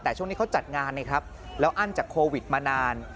แต่ช่วงนี้เขาจัดงานไงครับแล้วอั้นจากโควิดมานาน